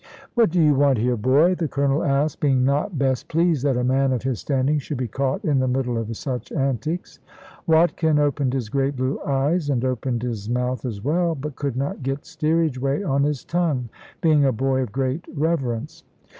"What do you want here, boy?" the Colonel asked, being not best pleased that a man of his standing should be caught in the middle of such antics. Watkin opened his great blue eyes, and opened his mouth as well, but could not get steerage way on his tongue, being a boy of great reverence.